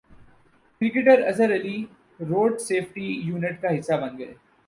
cricketer Azhar Ali road safety unit کا حصہ بن گئے